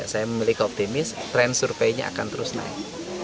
saya memiliki optimis tren surveinya akan terus naik